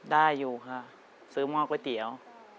ได้อยู่ค่ะซื้อหม้อก๋วยเตี๋ยว